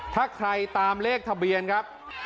ถ้าใครตามเลขทะเบียนครับ